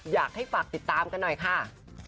อยากให้ฝากติดตามกันหน่อยค่ะ